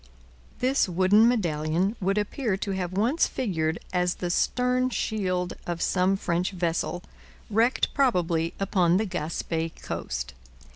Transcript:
This wooden medallion would appear to have once figured as the stern shield of some French vessel, wrecked probably upon the Gaspe coast.